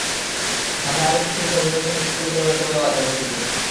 সামনে আরও একটি ছবিতে অভিনয়ের জন্য চুক্তিবদ্ধ হয়েছে বলেও জানিয়েছেন তিনি।